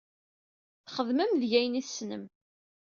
Txedmem deg-i ayen i tessnem.